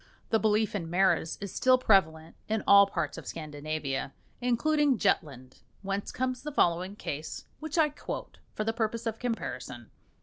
The belief in maras is still prevalent in all parts of Scandinavia, including Jutland, whence comes the following case which I quote for the purpose of comparison.